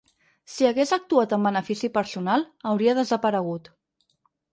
Si hagués actuat en benefici personal, hauria desaparegut.